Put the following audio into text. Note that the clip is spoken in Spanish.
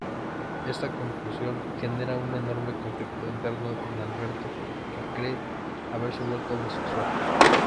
Esta confusión generará un enorme conflicto interno en Alberto, que cree haberse vuelto homosexual.